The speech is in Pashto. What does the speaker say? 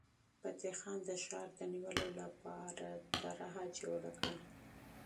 فتح خان د ښار د نیولو لپاره پلان جوړ کړ.